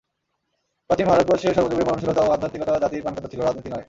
প্রাচীন ভারতবর্ষের সর্বযুগেই মননশীলতা ও আধ্যাত্মিকতা জাতির প্রাণকেন্দ্র ছিল, রাজনীতি নয়।